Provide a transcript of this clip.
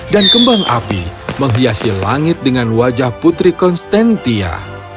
dan kembang api menghiasi langit dengan wajah putri konstantia